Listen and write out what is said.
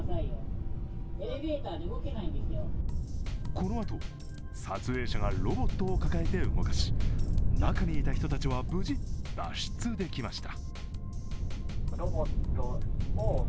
このあと、撮影者がロボットを抱えて動かし中にいた人たちは無事、脱出できました。